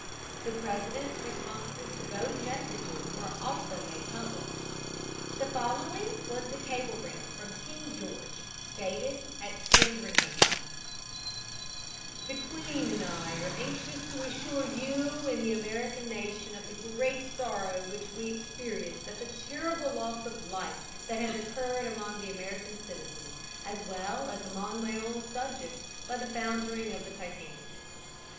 The President's responses to both messages were also made public. The following was the cablegram from King George, dated at Sandringham: "The Queen and I are anxious to assure you and the American nation of the great sorrow which we experienced at the terrible loss of life that has occurred among the American citizens, as well as among my own subjects, by the foundering of the Titanic.